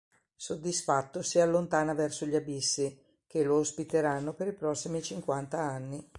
Soddisfatto si allontana verso gli abissi, che lo ospiteranno per i prossimi cinquanta anni.